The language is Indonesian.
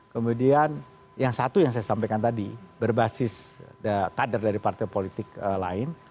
kemudian yang satu yang saya sampaikan tadi berbasis kader dari partai politik lain